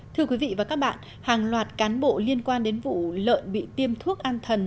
thưa quý vị và các bạn hàng loạt cán bộ liên quan đến vụ lợn bị tiêm thuốc an thần